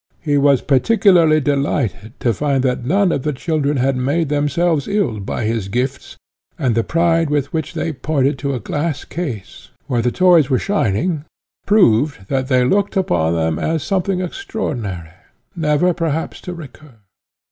He was particularly delighted to find that none of the children had made themselves ill by his gifts, and the pride with which they pointed to a glass case, where the toys were shining, proved that they looked upon them as something extraordinary, never perhaps to recur.